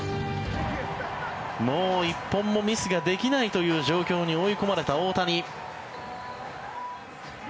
もう１本もミスができないという状況に追い込まれた大谷。